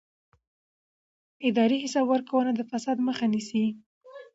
اداري حساب ورکونه د فساد مخه نیسي